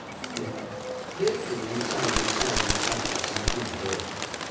０．２３２３２３って続くので。